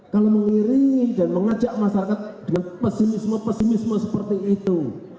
kalau mengiringi dan mengajak masyarakat dengan pesimisme pesimisme seperti itu